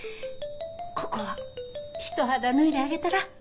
ここはひと肌脱いであげたら？